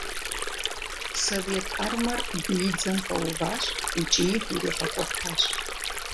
Совет Армэр биидзэм пэуващ икӏи иригъэкӏуэтащ.